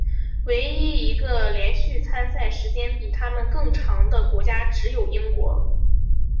唯一一个连续参赛时间比他们更长的国家只有英国。